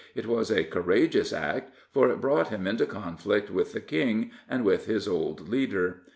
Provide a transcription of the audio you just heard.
It was a courageous act, for it brought him into conflict with the King and with his old leader.